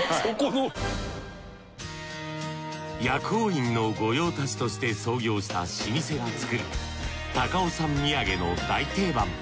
薬王院の御用達として創業した老舗が作る高尾山土産の大定番。